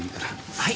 はい？